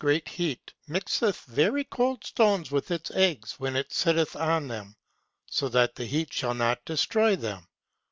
The heat, mixeth very cold stones with its eggs when it sitteth birds and on them, so that the heat shall not destroy them.